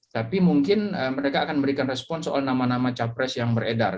tapi mungkin mereka akan memberikan respon soal nama nama capres yang beredar